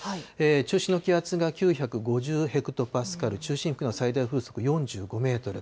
中心の気圧が９５０ヘクトパスカル、中心付近の最大風速４５メートル。